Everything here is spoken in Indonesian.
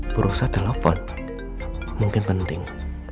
berusaha telepon mungkin penting